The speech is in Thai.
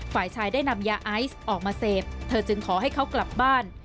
ฝ่ายชายได้นำยาไอซ์ออกมาเสพเธอจึงขอให้เขากลับบ้าน